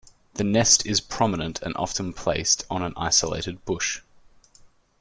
The nest is prominent and often placed on an isolated bush.